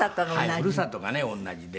ふるさとがね同じで。